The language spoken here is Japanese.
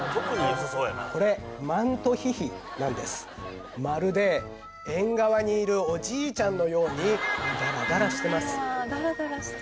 これマントヒヒなんですまるで縁側にいるおじいちゃんのようにダラダラしてます